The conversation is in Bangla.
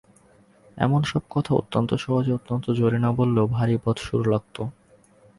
এমন-সব কথা অত্যন্ত সহজে অত্যন্ত জোরে না বললে ভারি বদসুর লাগত।